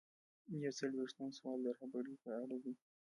یو څلویښتم سوال د رهبرۍ په اړه دی.